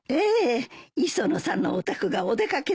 磯野さんのお宅がお出掛けですからね。